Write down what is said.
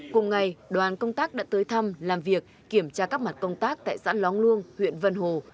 cùng ngày đoàn công tác đã tới thăm làm việc kiểm tra các mặt công tác tại xã lóng luông huyện vân hồ